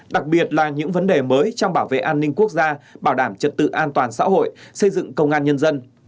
đặc biệt là những vấn đề mới trong bảo vệ an ninh quốc gia bảo đảm trật tự an toàn xã hội xây dựng công an nhân dân